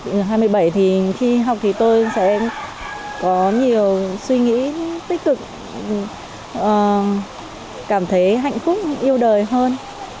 năm hai nghìn một mươi bảy thì khi học thì tôi sẽ có nhiều suy nghĩ tích cực cảm thấy hạnh phúc yêu đời hơn